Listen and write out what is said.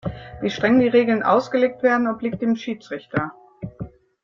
Wie streng die Regeln ausgelegt werden, obliegt dem Schiedsrichter.